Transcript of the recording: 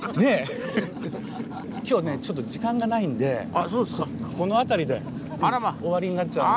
今日ねちょっと時間がないんでこの辺りで終わりになっちゃうんで。